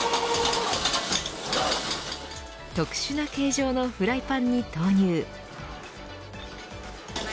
特殊な形状のフライパンに投入。